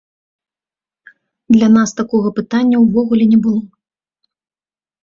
Для нас такога пытання ўвогуле не было.